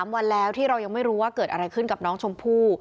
๓วันแล้วที่เรายังไม่รู้ว่าเกิดอะไรขึ้นกับน้องชมพู่